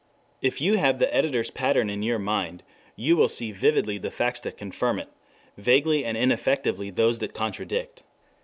If you have the editor's pattern in your mind, you will see vividly the facts that confirm it, vaguely and ineffectively those that contradict.